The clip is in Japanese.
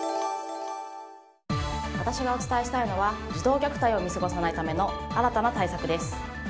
私がお伝えしたいのは児童虐待を見過ごさないための新たな対策です。